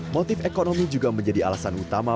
motif ekonomi juga menjadi alasan utama